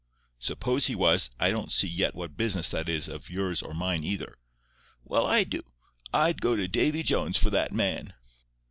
"Suppose he was, I don't see yet what business that is of yours or mine either." "Well, I do. I'd go to Davie Jones for that man."